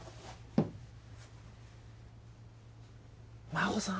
真帆さん？